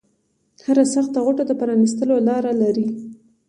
هره سخته غوټه د پرانیستلو لاره لري